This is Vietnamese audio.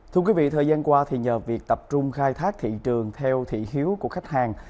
thưa quý vị thời gian qua nhờ việc tập trung khai thác thị trường theo thị hiếu của khách hàng